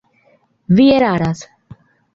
Vi eraras!